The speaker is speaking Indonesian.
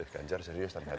ganjar serius ternyata